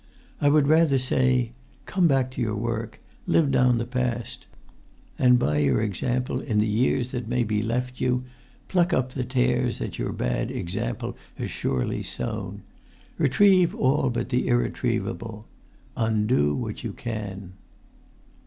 I would rather say, 'Come back to your work, live down the past, and, by your example in the years that may be left you, pluck up the tares that your bad example has surely sown. Retrieve all but the irretrievable. Undo what you can.'"